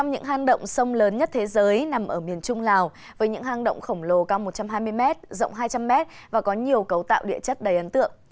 trong những hang động sông lớn nhất thế giới nằm ở miền trung lào với những hang động khổng lồ cao một trăm hai mươi m rộng hai trăm linh m và có nhiều cấu tạo địa chất đầy ấn tượng